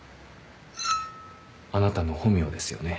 あなたの本名ですよね？